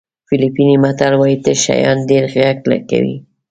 فلیپیني متل وایي تش شیان ډېر غږ کوي.